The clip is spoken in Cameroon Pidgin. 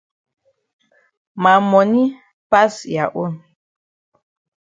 Ma moni pass ya own.